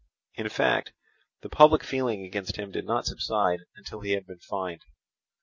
In fact, the public feeling against him did not subside until he had been fined.